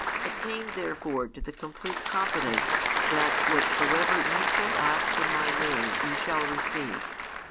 Attain therefore to the complete confidence that whatsoever ye shall ask in My name ye shall receive.